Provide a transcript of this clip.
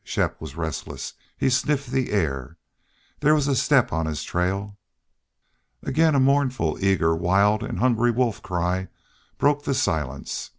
Shepp was restless. He sniffed the air. There was a step on his trail. Again a mournful, eager, wild, and hungry wolf cry broke the silence.